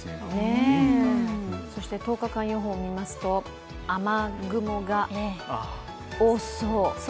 そして１０日間予報を見ますと雨雲が多そう。